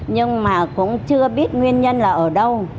nhưng mà cũng chưa biết nguyên nhân là ở đâu